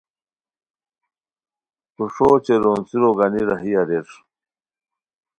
تو ݰو اوچے رونڅیرو گانی راہی اریر